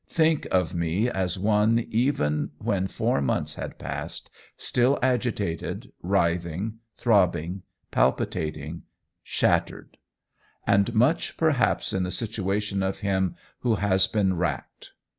Think of me, as one, even when four months had passed, still agitated, writhing, throbbing, palpitating, shattered; and much perhaps in the situation of him who has been racked."